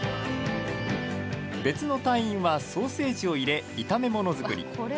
別の隊員は、ソーセージを入れ炒め物作り。